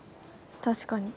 確かに。